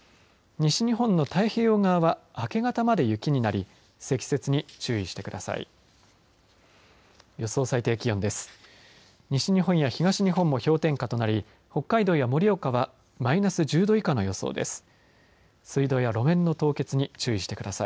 西日本の太平洋側は明け方まで雪になり積雪に注意してください。